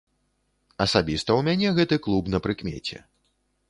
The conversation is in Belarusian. Асабіста ў мяне гэты клуб на прыкмеце.